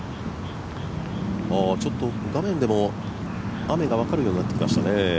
ちょっと画面でも雨が分かるようになってきましたね。